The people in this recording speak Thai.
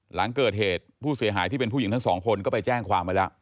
หลังเกิดเหตุผู้เสียหายที่เป็นผู้หญิงทั้งสองคนก็ไปแจ้งความไว้แล้ว